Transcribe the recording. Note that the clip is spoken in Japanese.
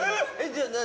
じゃあ何？